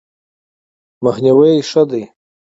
مخنیوی ښه دی.